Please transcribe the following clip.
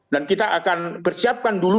kita akan persiapkan dulu